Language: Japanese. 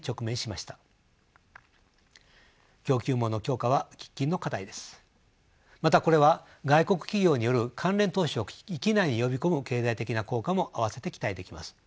またこれは外国企業による関連投資を域内に呼び込む経済的な効果も併せて期待できます。